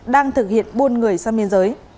đang thực hiện buôn người sang biên giới